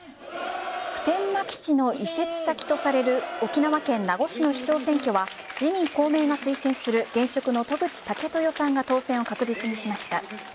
普天間基地の移設先とされる沖縄県名護市の市長選挙は自民公明が推薦する現職の渡具知武豊さんが当選を確実にしました。